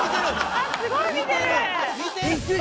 「あっすごい見てる！」